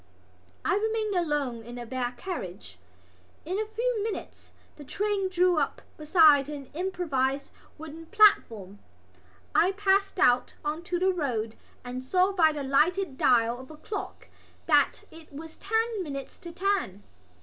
I remained alone in the bare carriage. In a few minutes the train drew up beside an improvised wooden platform. I passed out on to the road and saw by the lighted dial of a clock that it was ten minutes to ten.